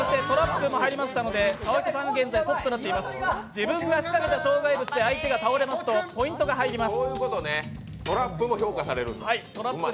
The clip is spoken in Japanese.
自分が仕掛けたトラップで相手が倒れますとポイントが入ります。